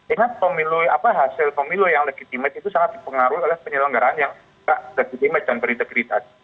ingat pemilu hasil pemilu yang legitimate itu sangat dipengaruhi oleh penyelenggaraan yang tidak legitimate dan berintegritas